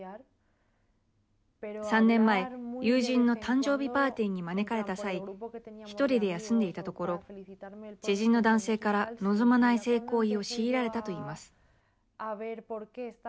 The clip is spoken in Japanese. ３年前友人の誕生日パーティーに招かれた際１人で休んでいたところ知人の男性から望まない性行為を強いられたと言います。